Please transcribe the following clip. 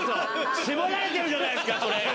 絞られてるじゃないですかそれ。